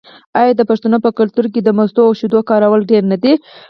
آیا د پښتنو په کلتور کې د مستو او شیدو کارول ډیر نه دي؟